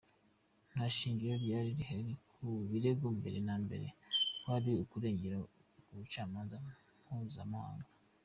Nta shingiro ryari rihari ku birego mbere na mbere, kwari ukurengera ku bucamanza mpuzamahanga.